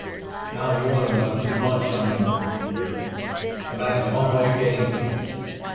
"Now you want to know too much, young un," said Billy, "and that is one way of getting kicked.